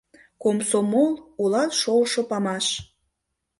Комсомол, улат шолшо памаш